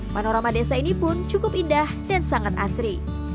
panorama desa ini pun cukup indah dan sangat asri